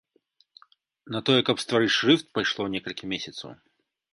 На тое, каб стварыць шрыфт, пайшло некалькі месяцаў.